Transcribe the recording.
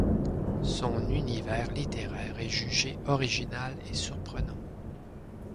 Son univers littéraire est jugé original et surprenant.